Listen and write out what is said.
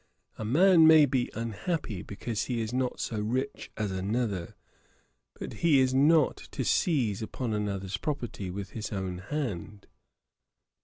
A man may be unhappy, because he is not so rich as another; but he is not to seize upon another's property with his own hand.'